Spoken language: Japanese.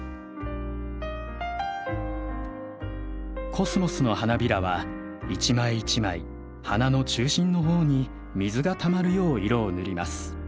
コスモスの花びらは一枚一枚花の中心のほうに水がたまるよう色を塗ります。